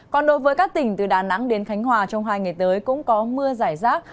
còn đối với các tỉnh từ đà nẵng đến khánh hòa trong hai ngày tới cũng có mưa giải rác